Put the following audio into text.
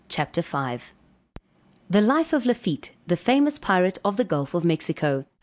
THE LIFE OF LAFITTE, THE FAMOUS PIRATE OF THE GULF OF MEXICO.